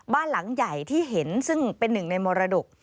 บ้านหลังใหญ่ที่เห็นซึ่งเป็นหนึ่งในมรดก